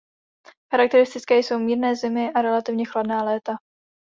Charakteristické jsou mírné zimy a relativně chladná léta.